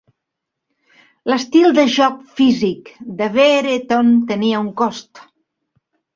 L'estil de joc físic de Brereton tenia un cost.